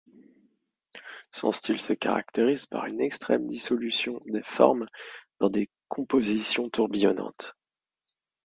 Son style se caractérise par une extrême dissolution des formes dans des compositions tourbillonnantes.